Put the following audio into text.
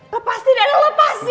lepasin n o lepasin